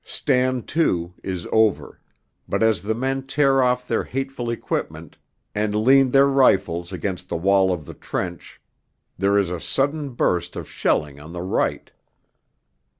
'Stand to' is over; but as the men tear off their hateful equipment and lean their rifles against the wall of the trench there is a sudden burst of shelling on the right.